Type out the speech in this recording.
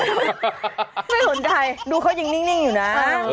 ไม่สนใจดูเขายังนิ่งอยู่นะ